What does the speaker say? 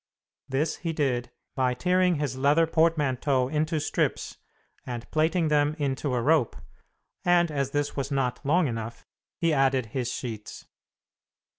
This he did by tearing his leather portmanteau into strips and plaiting them into a rope, and as this was not long enough, he added his sheets.